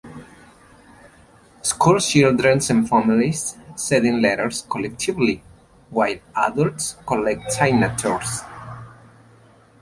School children and families sent in letters collectively, while adults collected signatures.